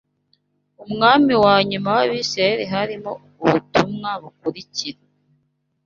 umwami wa nyuma w’Abisirayeli harimo ubutumwa bukurikira